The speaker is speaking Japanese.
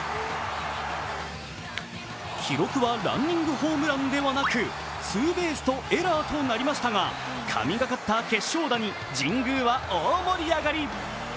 記録はランニングホームランではなくツーベースとエラーとなりましたが、神がかった決勝打に神宮は大盛り上がり。